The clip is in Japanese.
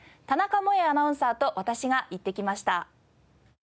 田中萌アナウンサーと私が行ってきました。